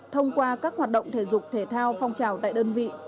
thông qua các hoạt động thể dục thể thao phong trào tại đơn vị